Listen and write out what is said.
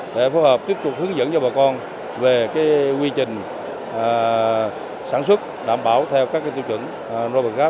để phối hợp tiếp tục hướng dẫn cho bà con về quy trình sản xuất đảm bảo theo các tiêu chuẩn robert gap